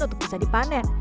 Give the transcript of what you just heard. untuk bisa dipanen